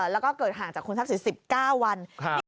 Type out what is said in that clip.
แล้วก็เกิดห่างจากคุณทักษิณ๑๙วัน